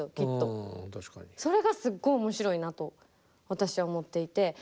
それがすごい面白いなと私は思っていて。